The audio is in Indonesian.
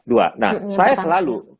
dua nah saya selalu